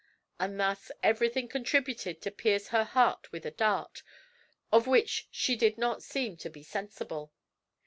And thus everything contributed to pierce her heart with a dart, of which she did not seem to be sensible.